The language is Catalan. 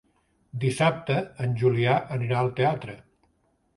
Dissabte en Julià anirà al teatre.